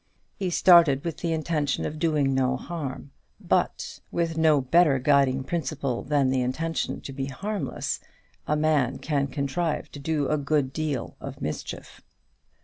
He started with the intention of doing no harm; but with no better guiding principle than the intention to be harmless, a man can contrive to do a good deal of mischief.